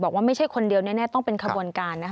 ไม่ใช่คนเดียวแน่ต้องเป็นขบวนการนะคะ